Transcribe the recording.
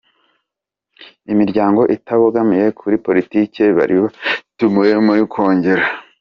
imiryango itabogamiye kuri politiki bari batumiwe muri Kongere.